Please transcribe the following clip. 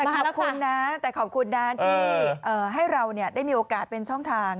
ขอบคุณนะแต่ขอบคุณนะที่ให้เราได้มีโอกาสเป็นช่องทาง